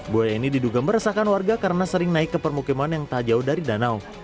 buaya ini diduga meresahkan warga karena sering naik ke permukiman yang tak jauh dari danau